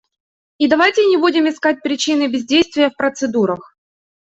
И давайте не будем искать причины бездействия в процедурах.